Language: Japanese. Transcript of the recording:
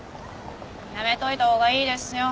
やめといたほうがいいですよ。